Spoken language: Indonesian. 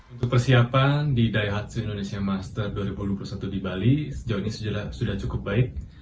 untuk persiapan di daihatsu indonesia master dua ribu dua puluh satu di bali sejauh ini sudah cukup baik